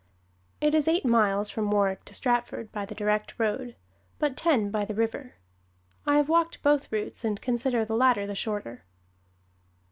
It is eight miles from Warwick to Stratford by the direct road, but ten by the river. I have walked both routes and consider the latter the shorter.